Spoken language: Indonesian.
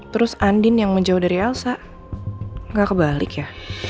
terus andin yang menjauh dari elsa nggak kebalik ya